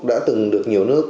đã từng được nhiều nước